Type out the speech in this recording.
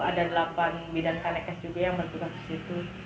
ada delapan bidang kanekes juga yang bertugas di situ